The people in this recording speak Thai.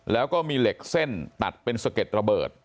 แล้วก็มีเหล็กเส้นตัดเป็นสะเก็ดระเบิด